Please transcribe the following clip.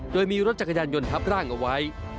โดยมีรถจักรยานยนต์ทับร่างเอาไว้